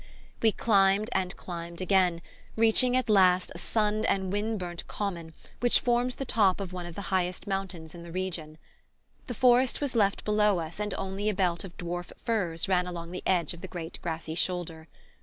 We climbed and climbed again, reaching at last a sun and wind burnt common which forms the top of one of the highest mountains in the region. The forest was left below us and only a belt of dwarf firs ran along the edge of the great grassy shoulder.